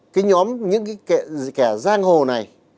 cái nhóm những cái kẻ giang hồ này